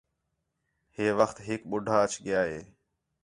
ہِے وخت ہِک ٻُڈّھا اَچ ڳِیا ہِے